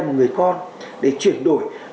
một người con để chuyển đổi